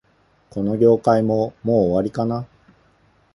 この業界も、もう終わりかな